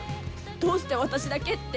どうして私だけって。